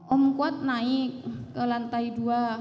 om kuat naik ke lantai dua